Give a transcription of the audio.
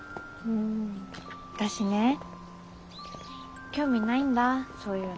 ん私ね興味ないんだそういうの。